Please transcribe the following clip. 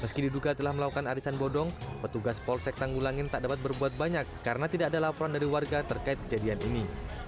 meski diduga telah melakukan arisan bodong petugas polsek tanggulangin tak dapat berbuat banyak karena tidak ada laporan dari warga terkait kejadian ini